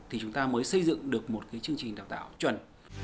thì chúng ta mới xây dựng được một cái chương trình đào tạo chuẩn